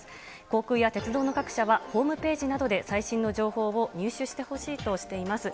航空や鉄道の各社は、ホームページなどで最新の情報を入手してほしいとしています。